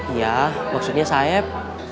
iya maksudnya saeb